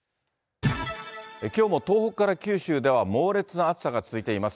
きょうも東北から九州では猛烈な暑さが続いています。